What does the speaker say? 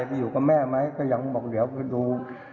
จะอยู่กับแม่ไหมก็ยังบอกเดี๋ยวไปดู